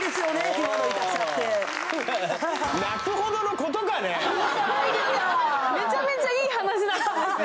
今の痛車ってめちゃめちゃいい話だったんですよ